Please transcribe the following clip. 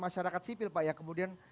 masyarakat sipil pak ya kemudian